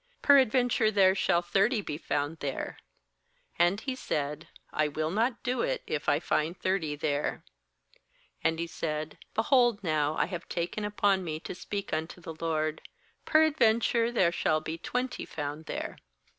Peradventure there shall thirty be found there.' And He said: 'I will not do it, if I find thirty there.' 3lAnd he said: 'Behold now, I have taken upon me to speak unto the Lord. Peradventure there shall be twenty found there.'